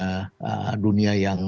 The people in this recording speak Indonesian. dan mereka sudah berada di dunia yang lain